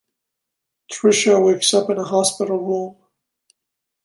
Trisha wakes up in a hospital room.